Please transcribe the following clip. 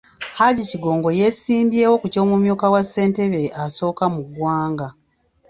Hajji Kigongo yeesimbyewo ku ky’omumyuka wa Ssentebe asooka mu ggwanga.